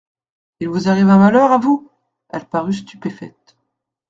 Il vous arrive un malheur, à vous !… Elle parut stupéfaite.